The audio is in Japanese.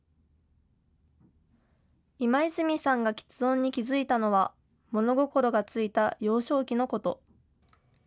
今泉さんがきつ音に気付いたのは、物心がついた幼少期のこと。